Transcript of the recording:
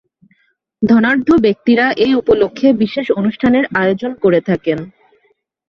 ধনাঢ্য ব্যক্তিরা এ উপলক্ষে বিশেষ অনুষ্ঠানের আয়োজন করে থাকেন।